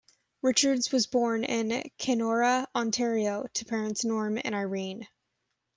Richards was born in Kenora, Ontario, to parents Norm and Irene.